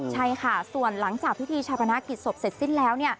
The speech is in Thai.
ใช่ค่ะส่วนหลังจากพิธีชาปนากิจศพเสร็จสิ้นแล้ว